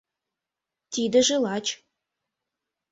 — Тидыже лач.